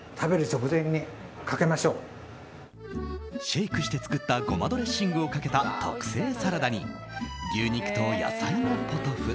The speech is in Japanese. シェイクして作ったゴマドレッシングをかけた特製サラダに牛肉と野菜のポトフ。